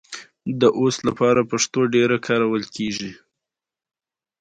پنځه ویشت لویې کارخانې د بانکونو برخه وې